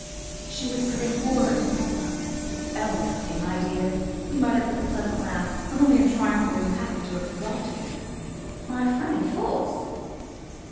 she whispered in horror and alarm. "Oh! nothing, m'dear," he muttered with a pleasant laugh, "only a trifle you happened to have forgotten ... my friend, Ffoulkes